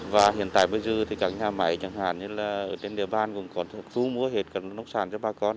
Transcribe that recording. và hiện tại bây giờ thì các nhà máy chẳng hạn như là ở trên địa bàn cũng có thu mua hết các nông sản cho bà con